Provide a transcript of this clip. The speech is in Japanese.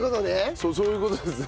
そうそういう事ですね。